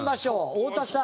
太田さん。